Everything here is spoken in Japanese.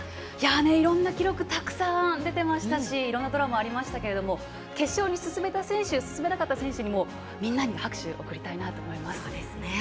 いろいろな記録たくさん出ていましたしいろんなドラマがありましたけど決勝に進めた選手進めなかった選手にもみんなに拍手を送りたいと思います。